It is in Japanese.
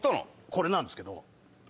これなんですけど。